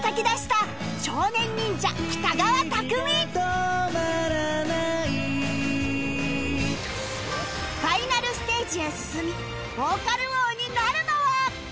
「止まらない」ファイナルステージへ進みヴォーカル王になるのは？